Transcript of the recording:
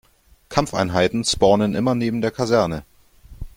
Kampfeinheiten spawnen immer neben der Kaserne.